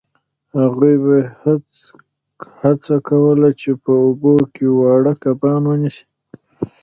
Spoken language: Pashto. هغوی به هڅه کوله چې په اوبو کې واړه کبان ونیسي